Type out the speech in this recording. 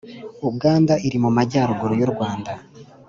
uganda iri mu majyaruguru yu rwanda